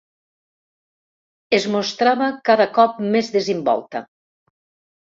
Es mostrava cada cop més desimbolta.